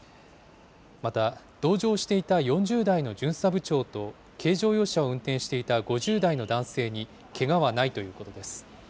また、同乗していた４０代の巡査部長と、軽乗用車を運転していた５０代の男性にけがはないということです。